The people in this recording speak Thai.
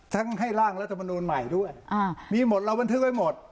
ทั้งให้ล่างรัฐบาลนูนใหม่ด้วยอ่ามีหมดเราบันทึกไว้หมด